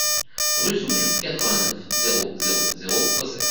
Rue Sous Murs, quatre-vingt-neuf, zéro zéro zéro Auxerre